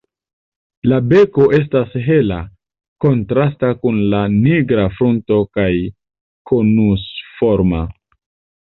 La beko estas hela, kontrasta kun la nigra frunto kaj konusforma.